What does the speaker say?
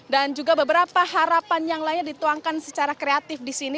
dan juga beberapa harapan yang lainnya dituangkan secara kreatif di sini